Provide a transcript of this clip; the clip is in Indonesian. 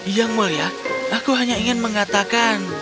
yang mulia aku hanya ingin mengatakan